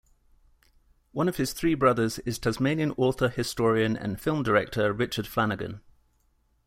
One of his three brothers is Tasmanian author, historian and film director Richard Flanagan.